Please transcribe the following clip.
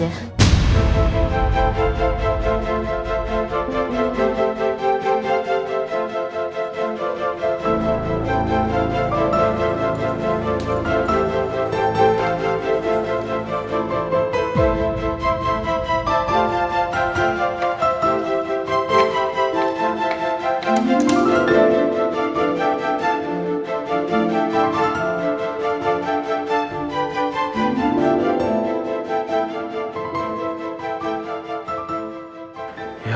maaf suaminya saja